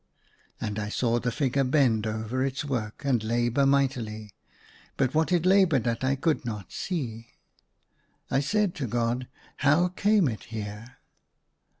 And I saw the figure bend over its work, and labour mightily, but what it laboured at I could not see. I said to God, *' How came it here